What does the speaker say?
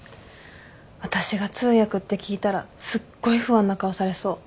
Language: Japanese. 私が通訳って聞いたらすっごい不安な顔されそう。